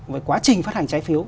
về quá trình phát hành trái phiếu